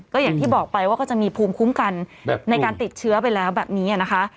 ก็อย่างที่บอกไปว่าก็จะมีภูมิคุ้มกันในการติดเชื้อไปแล้วแบบนี้นะคะ